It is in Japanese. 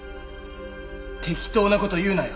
適当なこと言うなよ。